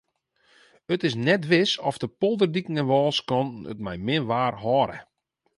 It is net wis oft de polderdiken en wâlskanten it mei min waar hâlde.